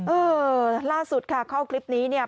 เออล่าสุดค่ะเข้าคลิปนี้เนี่ย